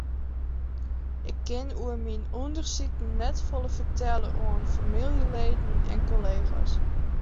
Ik kin oer myn ûndersiken net folle fertelle oan famyljeleden en kollega's.